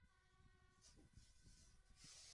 Es un polvo tóxico de color marrón oscuro.